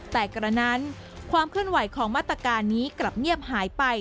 แต่กระนั้นความเคลื่อนไหวของมาตรการนี้กลับเงียบหายไป